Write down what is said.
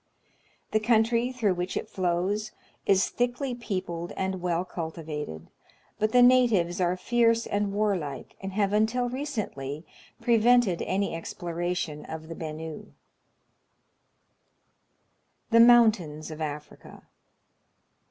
The country through which it flows is thickly peopled and well cultivated ; but the natives are fierce and warlike, and have until recently prevented any exploration of the Benue. The Mountains of Africa.